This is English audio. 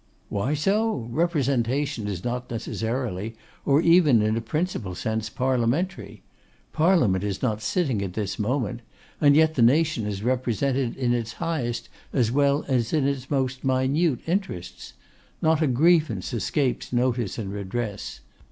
'Why so? Representation is not necessarily, or even in a principal sense, Parliamentary. Parliament is not sitting at this moment, and yet the nation is represented in its highest as well as in its most minute interests. Not a grievance escapes notice and redress.